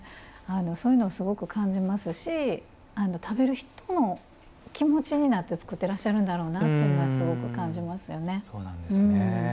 そういうのをすごく感じますし食べる人の気持ちになって作ってらっしゃるんだろうなというのをすごく感じますよね。